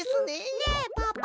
ねえパパ。